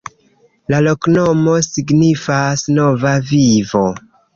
La loknomo signifas: Nova Vivo.